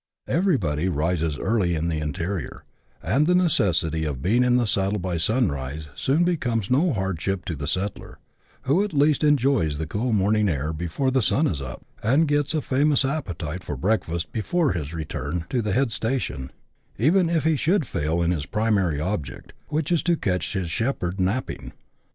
Everybody rises early in the interior, and the necessity of being in the saddle by sunrise soon becomes no hardship to the settler, who at least enjoys the cool morning air before the sun is up, and gets a famous appetite for breakfast before his return to the head station, even if he should fail in his primary object, which is to catch his shepherd " napping."